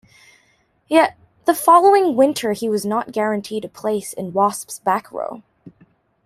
Yet the following winter he was not guaranteed a place in Wasps' back-row.